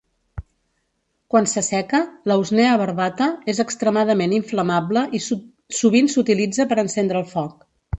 Quan s'asseca, la "usnea barbata" és extremadament inflamable i sovint s'utilitza per encendre el foc.